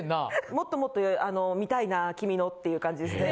「もっともっと見たいな君の」っていう感じですね。